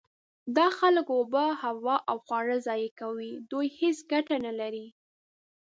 دا خلک اوبه، هوا او خواړه ضایع کوي. دوی هیڅ ګټه نلري.